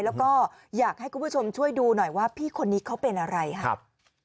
แล้วก็อยากให้คุณผู้ชมช่วยดูหน่อยว่าพี่คนนี้เขาเป็นอะไรครับ